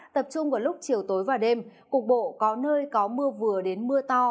tập trung vào lúc chiều tối và đêm cục bộ có nơi có mưa vừa đến mưa to